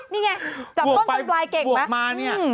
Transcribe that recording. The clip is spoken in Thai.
นี่ไงจับต้นไฟเก่งไปอย่างนี้อืม